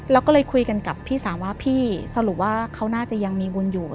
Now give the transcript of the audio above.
แล้วก็เลยคุยกันกับพี่สาวว่าพี่สรุปว่าเขาน่าจะยังมีบุญอยู่